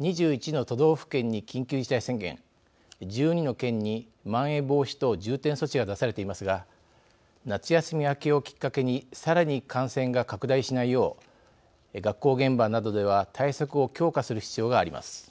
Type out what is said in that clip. ２１の都道府県に緊急事態宣言１２の県にまん延防止等重点措置が出されていますが夏休み明けをきっかけにさらに感染が拡大しないよう学校現場などでは対策を強化する必要があります。